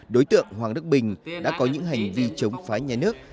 đối tượng hoàng đức bình đã có những hành vi chống phá nhà nước